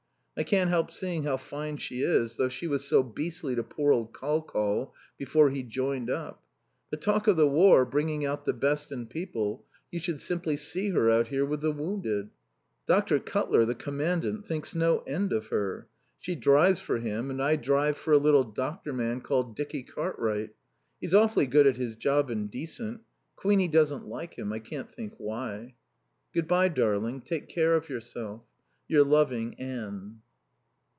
I can't help seeing how fine she is, though she was so beastly to poor old Col Col before he joined up. But talk of the War bringing out the best in people, you should simply see her out here with the wounded. Dr. Cutler (the Commandant) thinks no end of her. She drives for him and I drive for a little doctor man called Dicky Cartwright. He's awfully good at his job and decent. Queenie doesn't like him. I can't think why. Good bye, darling. Take care of yourself. Your loving Anne.